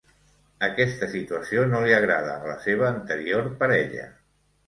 Aquesta situació no li agrada a la seva anterior parella.